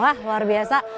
wah luar biasa